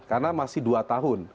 karena masih dua tahun